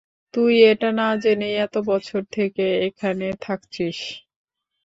তুই এটা না জেনেই এত বছর থেকে এখানে থাকছিস?